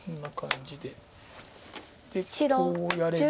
でこうやれば。